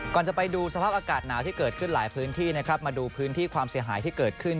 จะไปดูสภาพอากาศหนาวที่เกิดขึ้นหลายพื้นที่นะครับมาดูพื้นที่ความเสียหายที่เกิดขึ้น